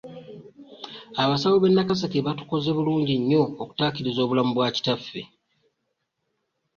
Abasawo be Nakaseke batukoze bulungi nnyo okutukirirza obulamu bwa kitaffe.